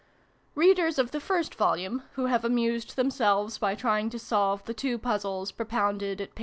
Readers of the first Volume, who have amused themselves by trying to solve the two puzzles pro pounded at pp.